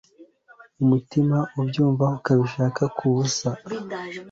umutima ubyumva, ukabishaka kubusa